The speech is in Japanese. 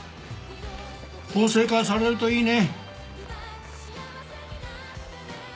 法制化されるといいね。